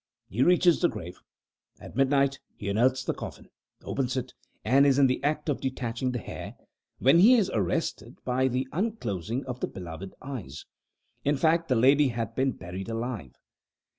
He reaches the grave. At midnight he unearths the coffin, opens it, and is in the act of detaching the hair, when he is arrested by the unclosing of the beloved eyes. In fact, the lady had been buried alive.